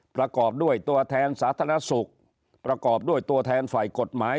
ประกอบด้วยตัวแทนสาธารณสุขประกอบด้วยตัวแทนฝ่ายกฎหมาย